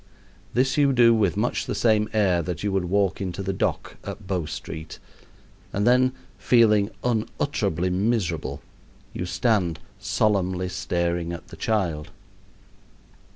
This you do with much the same air that you would walk into the dock at Bow Street, and then, feeling unutterably miserable, you stand solemnly staring at the child.